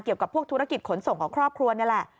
เกี่ยวกับพวกธุรกิจขนส่งของครอบครัวนี่แหละ